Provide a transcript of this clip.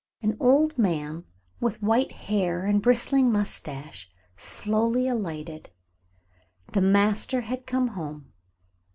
An old man with white hair and bristling mustache slowly alighted. The master had come home.